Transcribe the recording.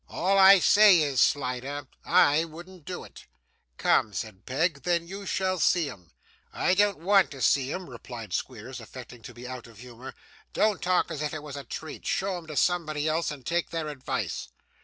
All I say is, Slider, I wouldn't do it.' 'Come,' said Peg, 'then you shall see 'em.' 'I don't want to see 'em,' replied Squeers, affecting to be out of humour; 'don't talk as if it was a treat. Show 'em to somebody else, and take their advice.